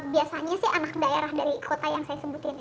biasanya sih anak daerah dari kota yang saya sebutin